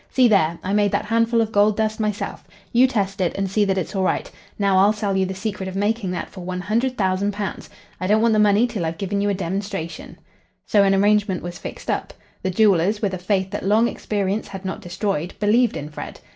"See there. I made that handful of gold dust myself. You test it, and see that it's all right. Now, I'll sell you the secret of making that for £100,000. I don't want the money till I've given you a demonstration." So an arrangement was fixed up. The jewellers, with a faith that long experience had not destroyed, believed in Fred.